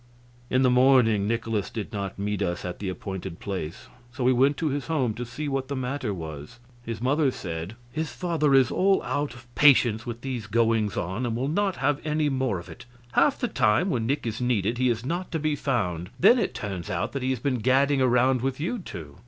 In the morning Nikolaus did not meet us at the appointed place, so we went to his home to see what the matter was. His mother said: "His father is out of all patience with these goings on, and will not have any more of it. Half the time when Nick is needed he is not to be found; then it turns out that he has been gadding around with you two.